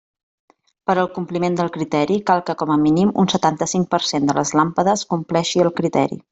Per al compliment del criteri cal que com a mínim un setanta-cinc per cent de les làmpades compleixi el criteri.